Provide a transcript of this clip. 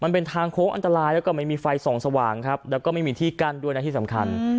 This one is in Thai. มันเป็นทางโค้งอันตรายแล้วก็ไม่มีไฟส่องสว่างครับแล้วก็ไม่มีที่กั้นด้วยนะที่สำคัญ